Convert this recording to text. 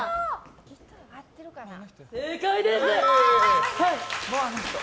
正解です！